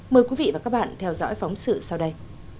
mời quý vị và các bạn theo dõi phóng sự sau đây